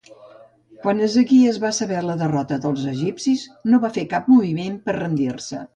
Quan Ezequies va saber la derrota dels egipcis no va fer cap moviment per rendir-se.